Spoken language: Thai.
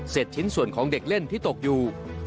ชิ้นส่วนของเด็กเล่นที่ตกอยู่